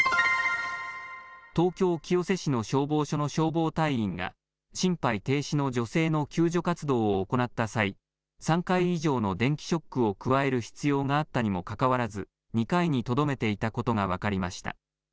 東京清瀬市の消防署の消防隊員が心肺停止の女性の救助活動を行った際、３回以上の電気ショックを加える必要があったにもかかわらず２回にとどめていたことが分かりました。